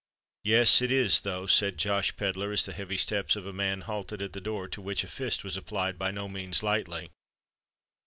"Yes, it is though," said Josh Pedler, as the heavy steps of a man halted at the door, to which a fist was applied by no means lightly.